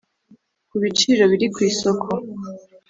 ku biciro biri ku isoko